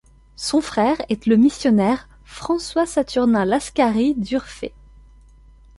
Son frère est le missionnaire François-Saturnin Lascaris d'Urfé.